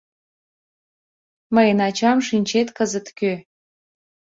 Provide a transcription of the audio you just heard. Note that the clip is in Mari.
Мыйын ачам, шинчет, кызыт кӧ?